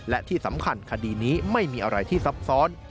และที่สำคัญคดีนี้ไม่มีอะไรที่ซับซ้อน